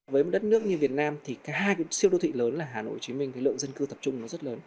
với một đất nước như việt nam hai siêu đô thị lớn là hà nội hồ chí minh lượng dân cư tập trung rất lớn